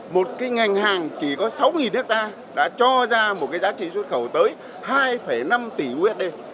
một ngành hàng chỉ có sáu ha đã cho ra một giá trị xuất khẩu tới hai năm tỷ usd